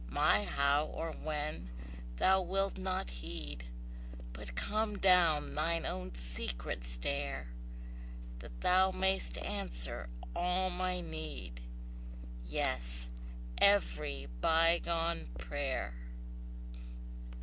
My how or when Thou wilt not heed, But come down Thine own secret stair, That Thou mayst answer all my need Yes, every bygone prayer.